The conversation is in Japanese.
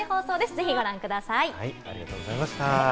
ぜひご覧ください。